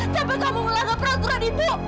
sampai kamu melanggar peraturan ibu